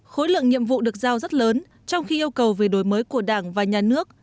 khối lượng nhiệm vụ được giao rất lớn trong khi yêu cầu về đổi mới của đảng và nhà nước